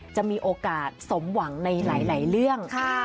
จะมีโอกาสสมหวังในหลายเรื่อง